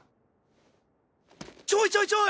ちょいちょいちょい！